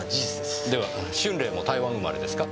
では春麗も台湾生まれですか？